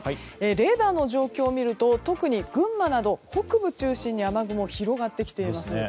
レーダーの状況を見ると特に群馬など北部中心に雨雲が広がってきています。